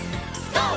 ＧＯ！